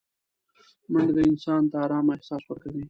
منډه انسان ته ارامه احساس ورکوي